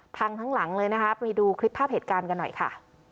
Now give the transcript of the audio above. ทั้งหลังเลยนะคะไปดูคลิปภาพเหตุการณ์กันหน่อยค่ะ